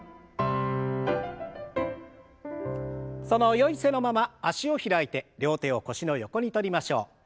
そのよい姿勢のまま脚を開いて両手を腰の横にとりましょう。